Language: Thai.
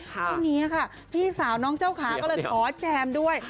ช่วงนี้ค่ะพี่สาวน้องเจ้าขาก็เลยขอแจมด้วย